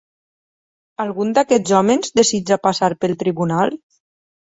Algun d'aquests homes desitja passar pel tribunal?